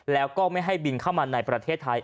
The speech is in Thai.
แล้วก็ไม่ให้บินเข้ามาในประเทศไทย